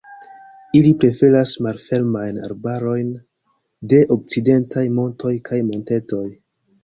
Ili preferas malfermajn arbarojn de okcidentaj montoj kaj montetoj.